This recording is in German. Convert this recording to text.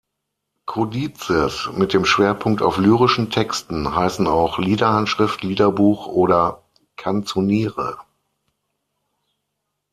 Codizes mit dem Schwerpunkt auf lyrischen Texten heißen auch Liederhandschrift, Liederbuch oder Canzoniere.